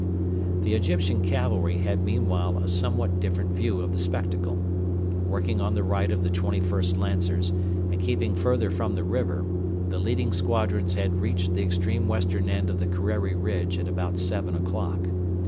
The Egyptian cavalry had meanwhile a somewhat different view of the spectacle. Working on the right of the 21st Lancers, and keeping further from the river, the leading squadrons had reached the extreme western end of the Kerreri ridge at about seven o'clock.